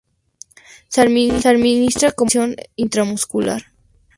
Se administra como una inyección intramuscular.